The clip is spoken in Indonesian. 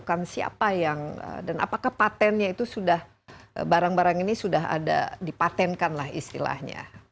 apakah patentnya itu sudah barang barang ini sudah ada dipatenkan lah istilahnya